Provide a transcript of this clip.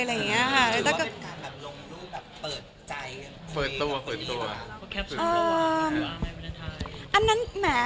หรือว่าการลงรูปเปิดใจ